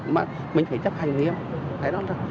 mình phải chấp hành